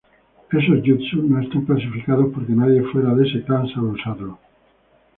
Esos jutsu no están clasificados porque nadie fuera de ese clan sabe usarlo.